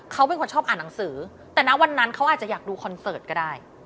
เขาเป็นคนชอบอ่านหนังสือแต่นะวันนั้นเขาอาจจะอยากดูคอนเสิร์ตก็ได้